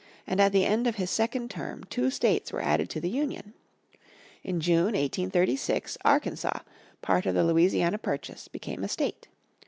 And at the end of his second term two states were added to the Union. In June, 1836, Arkansas, part of the Louisiana Purchase, became a state.